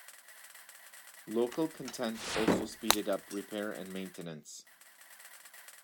Local content also speeded up repair and maintenance.